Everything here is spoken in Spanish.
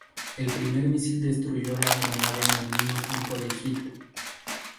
El primer misil destruyó la aeronave en el mismo tiempo de hit.